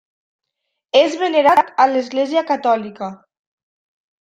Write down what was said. És venerat a l'Església catòlica.